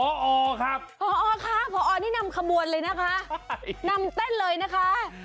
พอครับพอค่ะพอนี่นำขบวนเลยนะคะนำเต้นเลยนะคะ